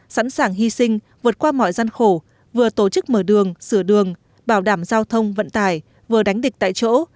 sẵn sàng hy sinh vượt qua mọi gian khổ vừa tổ chức mở đường sửa đường bảo đảm giao thông vận tải vừa đánh địch tại chỗ